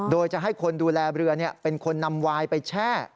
โดยจะให้คนดูแลเรือเป็นคนนำวายไปแช่